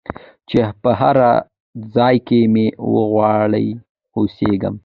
چي په هرځای کي مي وغواړی او سېږم